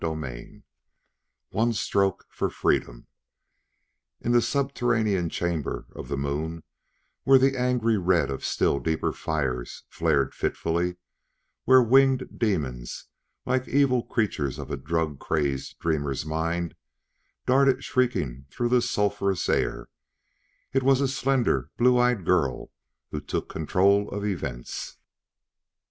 CHAPTER X One Stroke for Freedom In that subterranean chamber of the Moon, where the angry red of still deeper fires flared fitfully; where winged demons, like evil creatures of a drug crazed dreamer's mind, darted shrieking through the sulphurous air, it was a slender, blue eyed girl who took control of events.